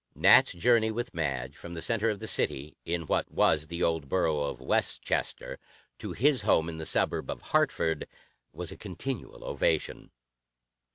Nat's journey with Madge from the center of the city, in what was the old Borough of Westchester, to his home in the suburb of Hartford, was a continual ovation.